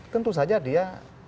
tentu saja dia